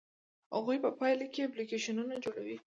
هغوی په پایله کې اپلیکیشنونه جوړوي.